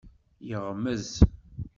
Yeɣmez.